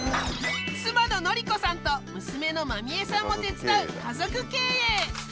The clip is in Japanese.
妻の紀子さんと娘の真美恵さんも手伝う家族経営。